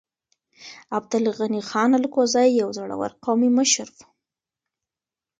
عبدالغني خان الکوزی يو زړور قومي مشر و.